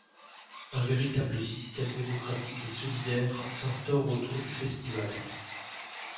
Un véritable système démocratique et solidaire s'instaure autour du festival.